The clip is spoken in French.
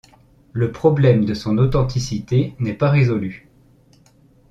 Le problème de son authenticité n'est pas résolu.